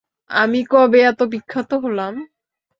আমি কবে এত বিখ্যাত হলাম?